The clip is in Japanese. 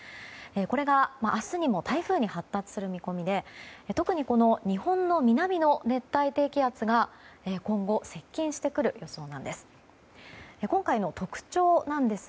これが明日にも台風に発達する見込みで特に、日本の南の熱帯低気圧が今後、接近してくる予想なんです。